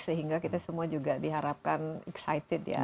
sehingga kita semua juga diharapkan excited ya